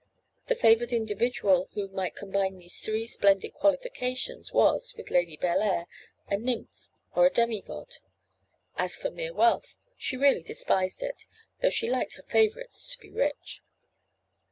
The favoured individual who might combine these three splendid qualifications, was, with Lady Bellair, a nymph, or a demi god. As for mere wealth, she really despised it, though she liked her favourites to be rich.